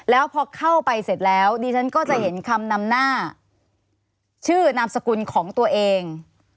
แล้วพอเข้าไปเสร็จแล้วดิฉันก็จะเห็นคำนำหน้าชื่อนามสกุลของตัวเอง